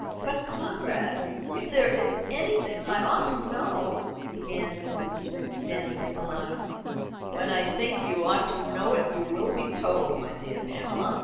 "But, Conrad, if there is anything I ought to know " began Mrs. Winstanley, alarmed. "When I think you ought to know it you will be told, my dear Pamela.